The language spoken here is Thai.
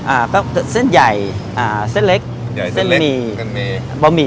อ่าก็เส้นใหญ่เส้นเล็กเส้นมี